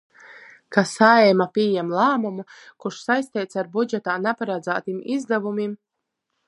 Ka Saeima pījam lāmumu, kurs saisteits ar budžetā naparadzātim izdavumim,